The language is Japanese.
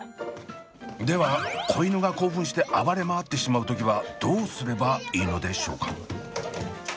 では子犬が興奮して暴れ回ってしまう時はどうすればいいのでしょうか？